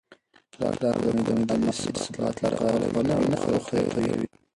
پلار د کورنی د مالي ثبات لپاره خپله وینه او خوله تویوي.